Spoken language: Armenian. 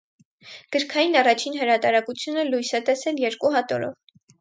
Գրքային առաջին հրատարակությունը լույս է տեսել երկու հատորով։